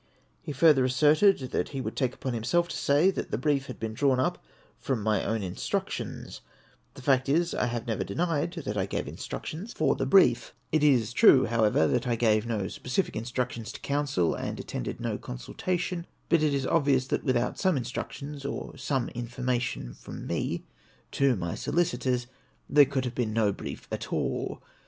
He further asserted that he would take upon himself to say that the brief had been drawn up from my own instructions. The fact is, I have never denied that I gave instructions for ADDRESS TO THE ELECTORS OF WESTMINSTER. 453 the brief. It is true, however, that I gave no specific in structions to counsel, and attended no consultation ; but it is obvious that without some instructions or some information from me to my solicitors there could have been no brief at all.